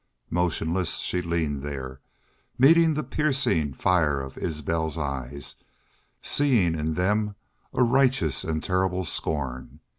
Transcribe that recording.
Motionless she leaned there, meeting the piercing fire of Isbel's eyes, seeing in them a righteous and terrible scorn.